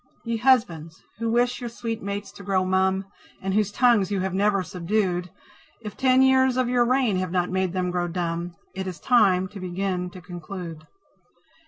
Ye Husbands, who wish your sweet mates to grow mum, And whose tongues you have never subdued, If ten years of your reign have not made them grow dumb, It is time to begin to conclude.